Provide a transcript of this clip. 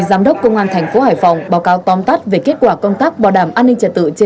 giám đốc công an thành phố hải phòng báo cáo tóm tắt về kết quả công tác bảo đảm an ninh trật tự trên